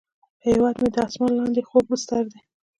هیواد مې د اسمان لاندې خوږ بستر دی